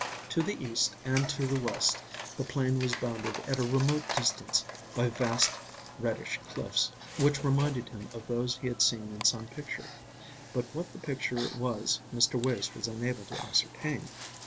To the east and to the west the plain was bounded at a remote distance by vast reddish cliffs, which reminded him of those he had seen in some picture; but what the picture was Mr. Wace was unable to ascertain.